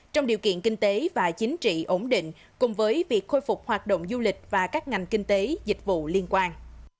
trong điều kiện kinh tế và chính trị ổn định cùng với việc khôi phục hoạt động du lịch và các ngành kinh tế dịch vụ liên quan